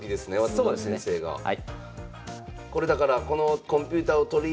そうですねはい。